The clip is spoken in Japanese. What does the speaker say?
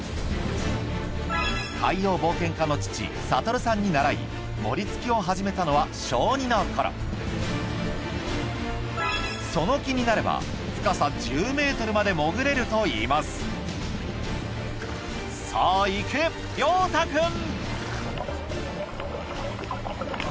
海洋冒険家の父・暁さんに習いモリ突きを始めたのは小２の頃その気になれば深さ１０ｍまで潜れるといいますさあいけ亮太くん！